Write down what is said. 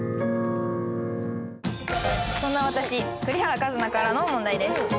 「そんな私栗原一菜からの問題です」